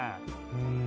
うん。